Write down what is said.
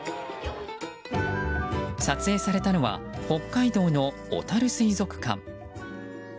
撮影されたのは北海道のおたる水族館。